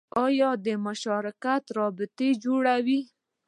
یا د مشارکت رابطه جوړوي